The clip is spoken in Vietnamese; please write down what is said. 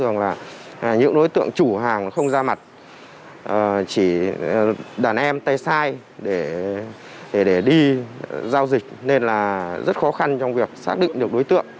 thường là những đối tượng chủ hàng không ra mặt chỉ đàn em tay sai để đi giao dịch nên là rất khó khăn trong việc xác định được đối tượng